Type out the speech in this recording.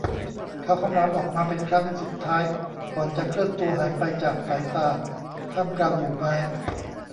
เขาคำรามออกมาเป็นครั้งสุดท้ายก่อนจะเคลื่อนตัวหายไปจากสายตาท่ามกลางหมู่ไม้